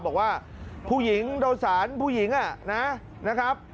บอกว่าผู้หญิงโดยสารผู้หญิงนะครับ